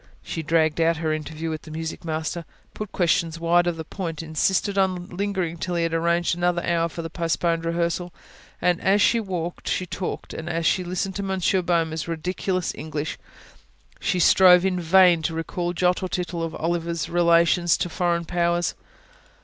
She dragged out her interview with the music master, put questions wide of the point, insisted on lingering till he had arranged another hour for the postponed rehearsal; and, as she walked, as she talked, as she listened to Monsieur Boehmer's ridiculous English, she strove in vain to recall jot or tittle of Oliver's relations to foreign powers.